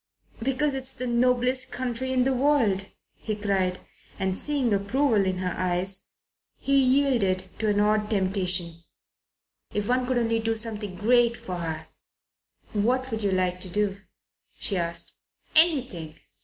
"Because it's the noblest country in the world," he cried; and, seeing approval in her eyes, he yielded to an odd temptation. "If one could only do something great for her!" "What would you like to do?" she asked. "Anything.